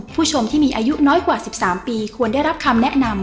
ผู้ชมที่มีอายุน้อยกว่า๑๓ปีควรได้รับคำแนะนำ